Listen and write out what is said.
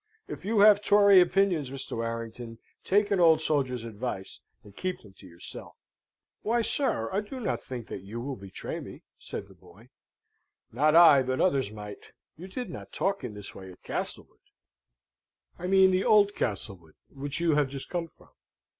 If you have Tory opinions, Mr. Warrington, take an old soldier's advice, and keep them to yourself." "Why, sir, I do not think that you will betray me!" said the boy. "Not I, but others might. You did not talk in this way at Castlewood? I mean the old Castlewood which you have just come from."